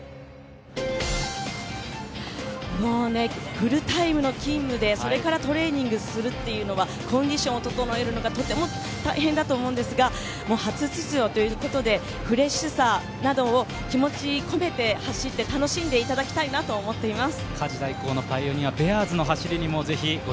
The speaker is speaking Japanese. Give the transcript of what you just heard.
フルタイムの勤務で、それからトレーニングするというのはコンディションを整えるのがとても大変だと思いますが初出場ということでフレッシュさなどを気持ち込めて走って楽しんでいただきたいなと思っています。